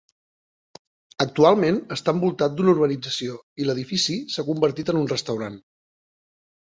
Actualment està envoltat d'una urbanització i l'edifici s'ha convertit en un restaurant.